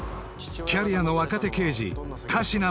キャリアの若手刑事神志名